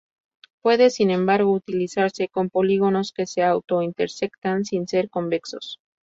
Puede sin embargo utilizarse con polígonos que se auto-intersectan sin ser convexos.